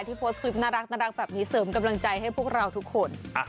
โพสต์คลิปน่ารักแบบนี้เสริมกำลังใจให้พวกเราทุกคน